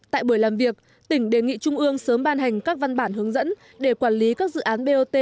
tại buổi làm việc tỉnh đề nghị trung ương sớm ban hành các văn bản hướng dẫn để quản lý các dự án bot